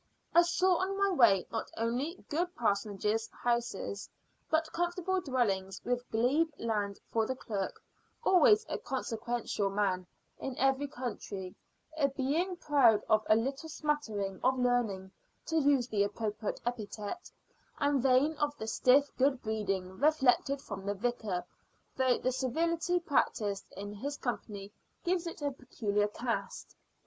I saw on my way not only good parsonage houses, but comfortable dwellings, with glebe land for the clerk, always a consequential man in every country, a being proud of a little smattering of learning, to use the appropriate epithet, and vain of the stiff good breeding reflected from the vicar, though the servility practised in his company gives it a peculiar cast.